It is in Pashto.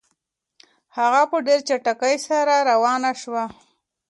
هغه په ډېرې چټکۍ سره روانه شوه.